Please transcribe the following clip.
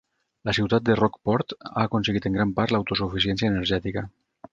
La ciutat de Rock Port ha aconseguit en gran part l'autosuficiència energètica.